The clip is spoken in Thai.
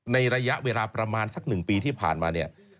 ในระยะเวลาประมาณซักหนึ่งปีเนี่ย